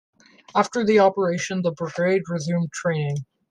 After the operation the brigade resumed training.